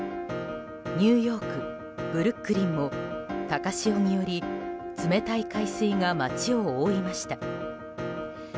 ニューヨーク・ブルックリンも高潮により冷たい海水が街を覆いました。